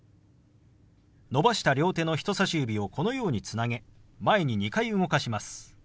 伸ばした両手の人さし指をこのようにつなげ前に２回動かします。